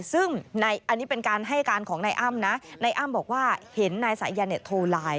ซึ่งอันนี้เป็นการให้การของนายอ้ำนะนายอ้ำบอกว่าเห็นนายสายันเนี่ยโทรไลน์